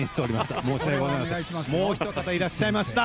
もうお一方いらっしゃいました。